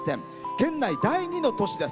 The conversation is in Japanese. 県内第２の都市です。